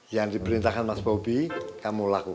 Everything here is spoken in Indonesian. yang diperintahkan mas bobi kamu lakukan